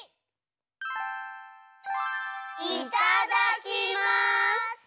いただきます！